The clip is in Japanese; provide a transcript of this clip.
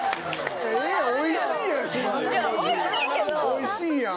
おいしいやん。